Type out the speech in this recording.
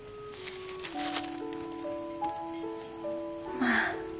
まあ。